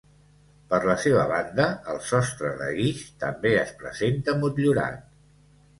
Per la seva banda, el sostre de guix també es presenta motllurat.